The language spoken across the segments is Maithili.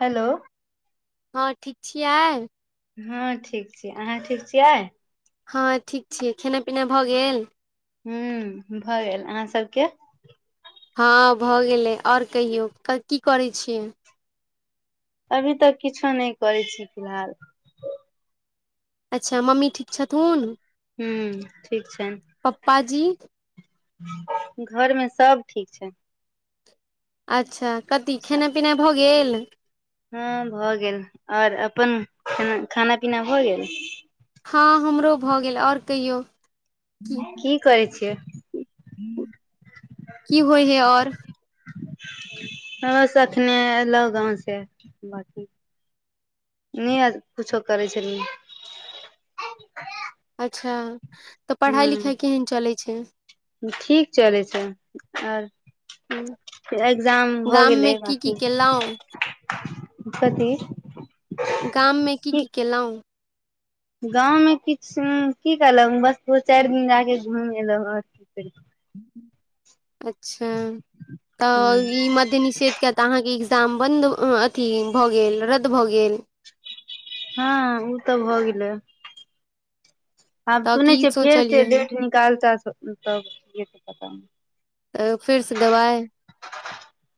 हेलौ हँ ठीक छियै हँ ठीक छी अहाँ ठीक छियै हँ ठीक छियै खेनाय पीनाय भऽ गेल ह्म भऽ गेल अहाँ सभके हँ भऽ गेलै आओर कहियौ की करै छियै अभी तक किछो नइ करै छी फिलहाल अच्छा मम्मी ठीक छथुन हूं ठीक छनि पाजी घरमे सभ ठीक छै अच्छा कथी खेनाइ पिनाइ भऽ गेल हँ भऽ गेल आओर अपन ख खाना पीना होय गेल हँ हमरो भऽ गेल आओर कहियौ की करै छियै की होइ है और ब सॅं एखने एयलहुँ गाँवसँ बकी नहि कुछो करै छलियै अच्छा तऽ पढ़ाइ हूँ लिखाइ केहन चलै छै ठीक चलै छे आर एग्जाम हो गाम गेलै मे की की बांकी केलहुँ कथी गाममे की की केलउं गाँवमे किछु की करलहु बस दू चारि दिन जा कऽ घुमि एयलहुँ आओर की कर अच्छा तऽ ई मध्य निषेधके तऽ अहाँके साम्बन्ध अथी भऽ गेल रद्द भऽ गेल हँ ओ तऽ भऽ गेलै आब तऽ की सुनै छियै फेर से सोचलियै हन डेट निकालते तब पता तऽ फेरसँ देबाइ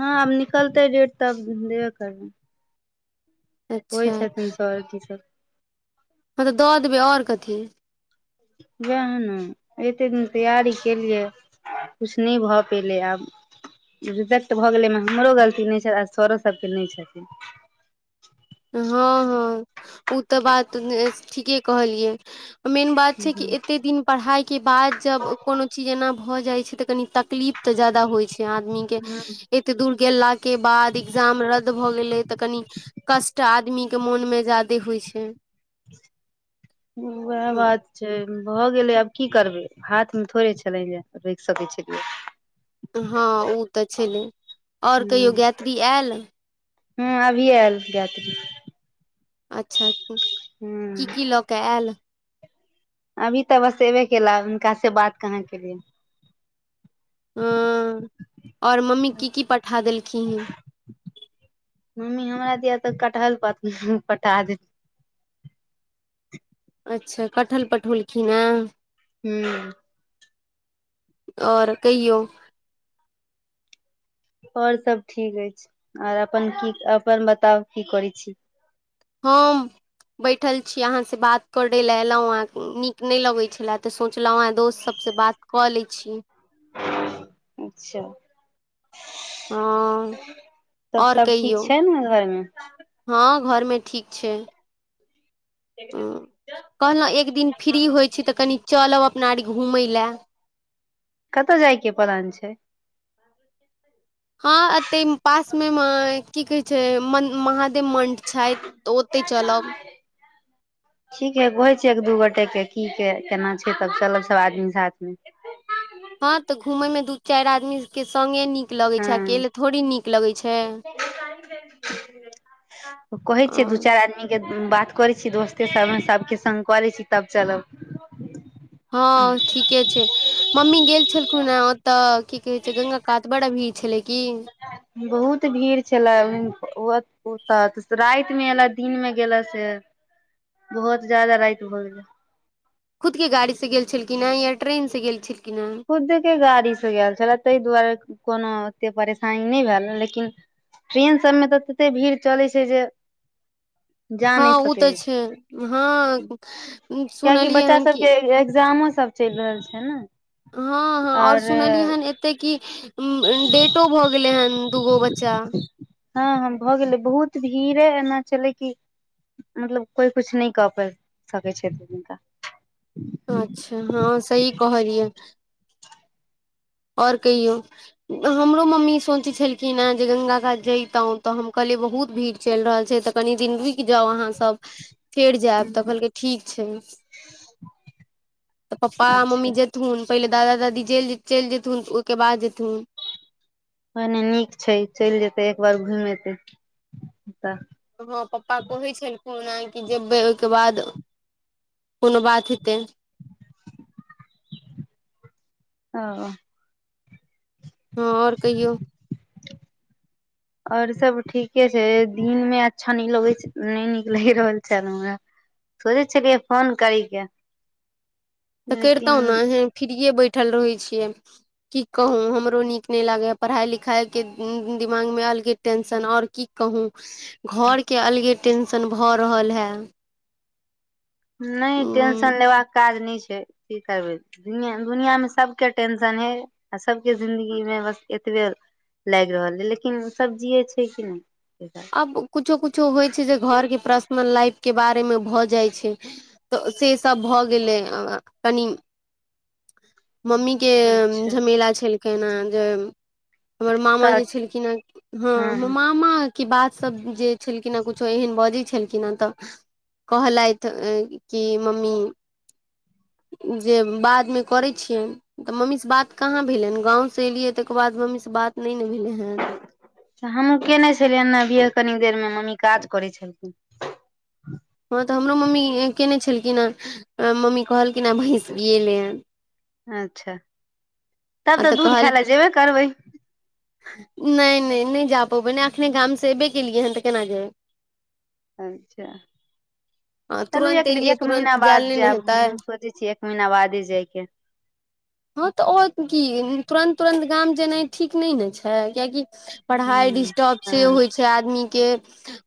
हँ आब निकलतै डेट तब देबे करबै होइ अच्छा छथिन सर की सब हँ तऽ दऽ देबै आओर कथी उएह ने एतेक दिन तैयारी केलियै किछु नय भऽ पयलै आब रिजेक्ट भऽ गेलै एहिम हमरो गलती नइ छै आ सरो सभके नइ छथिन हँ हँ ओ तऽ बात ठीके कहलियै मेन बात छै कि एते दिन पढ़ाई के बाद जब कोनो चीज एना भऽ जाय छै तऽ कनी तक तकलीफ तऽ जदा होइ छै आदमी के हँ एते दूर गेला के बाद एकग्जाम रद्द भ गेले तऽ कनि कष्ट आदमी के मोन मे ज्यादे होइ छै ह वएह बात छै भऽ गेलै आब की करबै हाथमे थोड़े छलै जाय के रोकि सकै छलियै हँ ओ तऽ छलै आओर कहियो गायत्री आयल हँ अभी आयल गायत्री अच्छा की ह की लऽ कऽ आयल अभी तऽ बस अयबे केला हुनका से बात कहाँ केलिय ह आओर मम्मी की की पठा देलखिन मम्मी हमरा दिय तऽ कटहल पत ह पटा दे अच्छा कटहल पठौलखिन हँ हू आओर कहियो आओर सभ ठीक अछि आर अपन की अपन बताउ की करैत छी हम बैठल छी अहाँ से बात करय लय एलहुँ हँ नीक नइ लगैत छले तऽ सोचलहुँ हँ दोस्तसभ से बात कऽ लै छियै अच्छह हँ तब आओर सब ठीक कहियौ छै ने घरमे हम घरमे ठीक छै ह कहलहुँ एक दिन फ्री होइ छी तऽ कनि चलब अपना आर कतऽ जायके प्लान छै हँ एतै पासमे म की कहि छै मन महा मंठ छथि तऽ ओते चलब ठीक है कहै छियै एक दू गोटे के की के केना छै तब चलब सब आदमी साथमे हँ तऽ घूमयमे दू चारि आदमीके संगे नीक नीक लगै छै अकेल थोड़े नीक लगै छै ओ कहै छियै दू अ, चारि आदमी के बात करै छी दोस्ते सबमे सबके संग करै छी तब चलब हँ ठीके छै मम्मी गेल छलखुन हे ओतऽ की कहे छै गंगा कात बड़ा भीर बहुत भीड़ छलए ओ ओ तऽ राइत मे एयला दिन मे गेला से बहुत ज्यादा राइत भअ गेलै खुद के गाड़ी से गेल छलखिन हे या ट्रेन से गेल छलखिन हेँ खुद के गाड़ी से गैल छले तइ दुआरे कोनो ओते परेशानी नय भेल ह लेकिन ट्रेन सभमे तऽ ततेक् भीड़ चलै छै जे जा हँ नहि ओ सकै तऽ छै हँ उम्म, कियकि सुनलियै बच्चा हन कि सबके एग्जामो सब चलि रहल छै नै हँ हँ आओर सुनलियै हेन एतेक की उं उं डेटो भऽ गेलै हेन हँ हँ भऽ गेलै बहुत भीड़े एना छलै कि मतलब कोइ कुछ नहि कऽ पाबि सकै छै हुनका अच्छा हँ सही कहलियै आओर कहियौ हमरो मम्मी सोचै छलखिन हेँ जे गंगा घाट जैतहुँ तऽ हम कहलिय बहुत भीड़ चलि रहल छै तऽ कनि दिन रुकि जाउ अहाँ सब फेर जायब तऽ कहलकै ठीक छै तऽ पप्पा मम्मी अच्छा जेतहुन पहिले दादा दादी चलि चलि जेथुन तऽ ओहिके बाद जेथुन भने नीक छै चलि जेतै एक बार घुमे येतै हँ पप्पा कहै छलखुन उं कि जेबै ओहिके बाद कोनो बात हेतै ह हँ आओर कहियौ आओर सब ठीके छै दिनमे अच्छा नहि लगैत नहि नीक लागि रहल छैल हमरा सोचे छलियै फोन करिके तऽ करितहु ने अह फि्रए बैठल रहै छियै की कहू हमरो नीक नहि लागैए पढ़ाइ लिखाईके दिमागमे अलगे टेंशन आओर की कहू घरके अलगे टेंशन भऽ रहल हे नहि टेंशन लेबाका काज नय छै की करबै दुनिया मे सबके टेंशन हे आ सबके जिंन्दगी मे बस ए एतबे लागि रहल ह लेकिन सब जियै छै कि नहि आब किछो किछो होइ छै जे घरके पर्सनल लाइफके बारेमे भऽ जाइ छै तऽ से सब भऽ गेलै कनि मम्मी के अच्छा झमेला छलखिन अहां कें हमर मामा तऽ जे छलखिन हँ हमर हँ मामा गा सब जे छलखिन ह कुछो एहन बाजै छलखिन ह त कहलैत कि ह मम्मी जे बादमे करैत छियनि तऽ मम्मीसँ बात कहाँ भेलइन गाँवसँ एलियै तेकर बाद मम्मीसँ बात नइ न भेल हमहू केयने छलिय ने अभिय कनी देर मे मम्मी काज करै छलखिन हँ तऽ हमरो मम्मी केयने छलखिन हेँ मम्मी कहलिन जेना भैस बियेलै हन अच्छा तब आ तऽ दूध खायइ ल कहलखिन जेबे करबै नहि नहि नहि जा पबै नहि एखने गाम से अयबे केलियै हन तऽ केना जेबै अच्छा हँ चलू तुरन्त एक एलियै एक महीना तुरन्त जायल बाद नहि ने जायब हेतै हमहु सोचै छी महिना बादे जाइके हँ तऽ आ की तुरन्त तुरन्त गाम जेनाइ ठीक नहि ने छै कियाकि पढ़ाइ हूँ डिस्टर्ब से हँ होइ छै आदमी के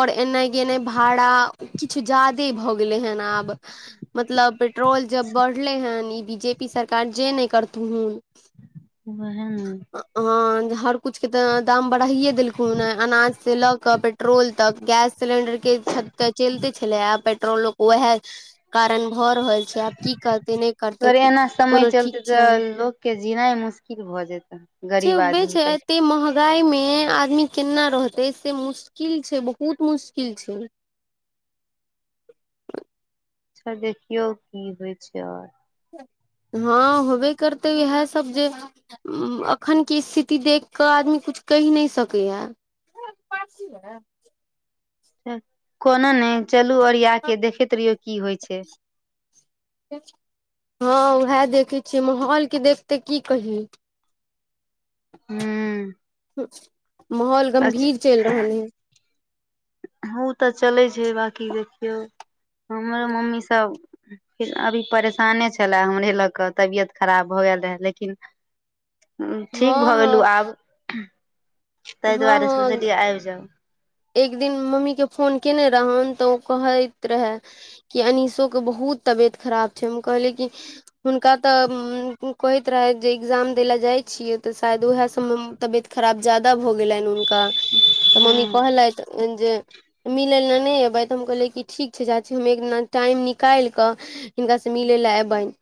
और एनाइ गेनाइ भाड़ा किछु ज्यादे भऽ गेलेह आब मतलब पेट्रोल जब बढ़ले ह ई बी जे पी सरकार जेनै करथुन वेहे न हँ हर कुछ के त दाम बढ़ाइये देलखु ह अनाज से लऽ के पेट्रोल तक गैस सिलेंडर के छत चले छलै आब पेट्रोल वएह कारण भऽ रहल छै आब की करते नहि करते कोनो ठीक त छै लोक के जीनाइ मुशकिल भए जेत चुपे जायते एहिमे आदमी केना रहते से मुश्किल छै बहुत मुश्किल छै [unintelligible] अच्छा देखियौ की होइ छै आओर [unintelligible] हँ होबे करते इएह सब जे अखन क स्थिति देख क आदमी कछ कहि नहि सकै यै कोनो नहि चलू ओरियाके देखैत रहियौ की होइ छै हँ उहै देखै छियै माहौलके देखते की कही [inaudible] हू माहौल गम्भीर चलि रहल है ऊतऽ चलै छै बकी देखियौ हमरो मम्मी सब फर अभी परेशाने छले हमरे ल क तबियत खराब भ गेल रहै लेकिन ठीक हँ भऽ गेल हँ आब ताहि हँ दुआरे सॅ हँ बुझलयै आइब जाऊ एक दिन मम्मीकेँ फोन कयने रहनि तऽ ओ कहैत रहए कि अनीसोके बहुत तबियत खराब छै हम कहले कि हुनका तऽ कहैत रहे जे एग्जाम देले जाय छियै तऽ शायद उएह सभमे तबियत खराब ज्यादा भऽ गेलनि हुनका तऽ मम्मी कहलथि जे मिलल नहि एबै तऽ हम कहलियै कि ठीक छै चाची हम एक दिना टाइम निकालि कऽ हिनकासँ मिलै लए एबनि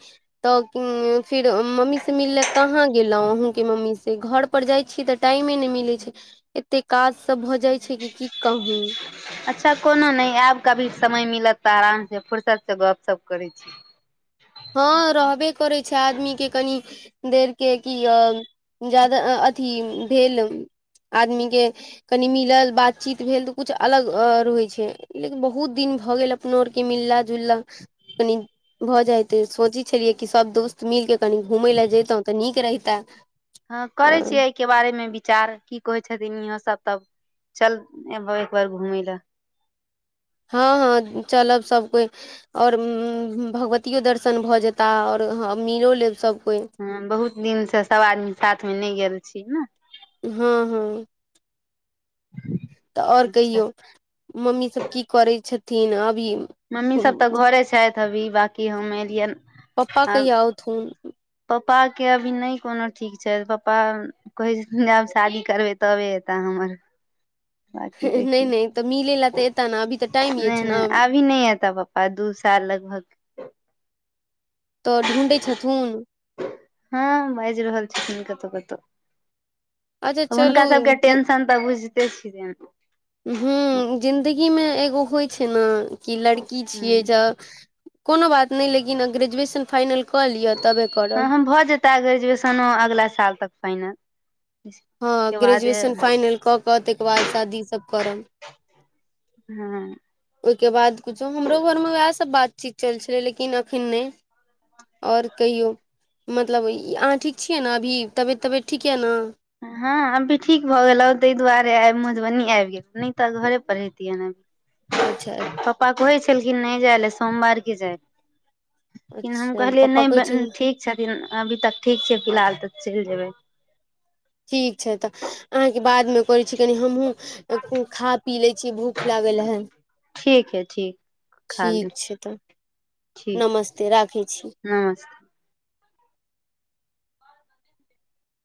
तऽ फिर मम्मी से मिलले कहाँ गेलहुं अहूँ के मम्मी से घर पर जाय छिय तऽ टाइमे ने मिले छै एते काज सब भऽ जाय छै छै कि की कहू अच्छा कोनो नहि आयब कभी समय मिलत तऽ आराम से फर्सत से गप सप करै छी [inaudible] हँ रहबे करैत छै आदमीके कनि देरके क अ जादा अथी भेल आदमी के कनि मिलल बातचीत भेल तऽ कुछ अलग रहै छै लेकिन बहुत दिन भ गेल अपनो आर के मिलला जुलला कनि भऽ जाय तऽ सोचै छलियै कि सभ दोस्त मिलि कऽ कनि घूमय लए जैतहुँ तऽ नीक रहिते हँ करै छियै एहिके बारेमे विचार की कहै छथिन इहो सभ तब चल एक बार घूमै लए हँ हँ चलब सभ कोइ आओर भगवतियो दर्शन भऽ जेता आओर आओ हँ मीलो लेब सभ कोइ हँ बहुत दिनसँ सभ आदमी साथमे नहि गेल छी ने हँ हँ तऽ आओर अच्छा कहियौ मम्मी सब की करै छथिन आब मम्मी सब तऽ घरे छथि अभी बकी हम एलियनि पप्पा कहिया आउथून पप्पाक के अभी नहि कोनो ठीक छै पप्पा कहै छै आब शादी करबै तबे एताै हमर बाकी नहि देखियौ नहि तऽ मिलय लए तऽ एताै ने अभी तऽ टाइम अछि छै ने आ दू साल लगभग तऽ ढूँढैत छथुन हँ बाजि रहल छथिन कतहु कतहु अच्छा तऽ चलू हुनका सबके टेंशन तऽ बुझिते छियै ह्मँ जिन्दगीमे एगो होइ छै ने कि लड़की छियै ज कोनो बात नहि लेकिन अब ग्रेजुएशन फाइनल के हँ हम भऽ जेता ग्रेजुएशनो अगला साल तक फाइनल हँ के बाद ग्रेजुएशन फाइनल कऽ कऽ ताहिकर बाद शादीसभ करब हँ ओहिके बाद किुछो हमरो घरमे उएह सभ बातचीत चल छलै लेकिन अखन नहि आओर कहियौ मतलब अहाँ ठीक छियै ने अभी तबियत तबियत ठीक यऽ ने हँ अब भी ठीक भऽ गेलहु ताहि दुआरे आइ मधुबनी आबि गेल नै तऽ घरे पर रहेतियै ने अच्छा पापा कहै छलखिन नहि जाइ ल सोमवार के जाइ लेकिन हम अच्छा कहलियै पप्पा कहै छै नहि ठीक छथिन अभी तक ठीक छै फिलहाल तऽ चैल जेबै ठीक छै तऽ अहाँके बादमे करैत छी कनि हमहूँ खा पी लै छी भूख लागल हन ठीक हइ ठीक खाली ठीक छै तऽ ठीक नमस्ते राखै छी नमस्ते